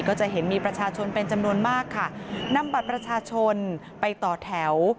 ก็จะเห็นมีประชาชนเป็นจำนวนมากค่ะนำบัตรประชาชนไปต่อแถว